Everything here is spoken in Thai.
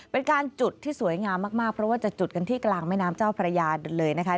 เป็นการจุดที่สวยงามมากเพราะว่าจะจุดกันที่กลางแม่น้ำเจ้าพระยาเลยนะคะ